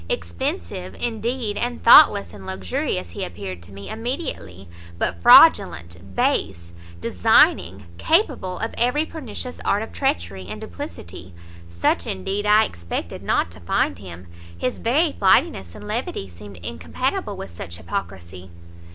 expensive, indeed, and thoughtless and luxurious he appeared to me immediately; but fraudulent, base, designing, capable of every pernicious art of treachery and duplicity, such, indeed, I expected not to find him, his very flightiness and levity seemed incompatible with such hypocrisy."